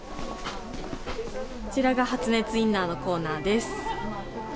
こちらが発熱インナーのコー